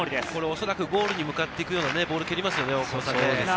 おそらくゴールに向かっていくようなボールを蹴りますよね。